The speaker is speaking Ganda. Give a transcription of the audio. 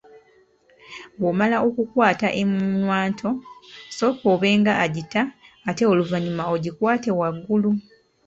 Bw’omala okukwata ennywanto, sooka obe nga agita ate oluvannyuma ogikwate waggulu.